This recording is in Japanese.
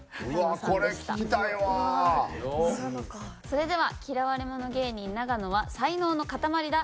それでは「嫌われ者芸人永野は才能の塊だ」。